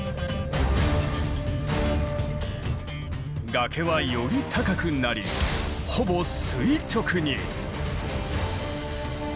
崖はより高くなりほぼ垂直に。